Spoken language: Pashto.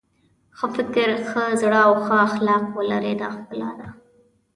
ښه فکر ښه زړه او ښه اخلاق ولرئ دا ښکلا ده.